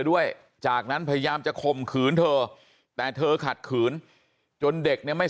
ด้วยจากนั้นพยายามจะข่มขืนเธอแต่เธอขัดขืนจนเด็กเนี่ยไม่